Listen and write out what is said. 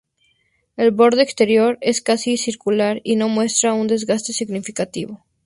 El borde exterior es casi circular y no muestra un desgaste significativo.